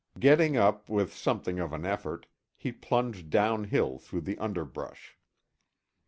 Getting up with something of an effort, he plunged down hill through the underbrush.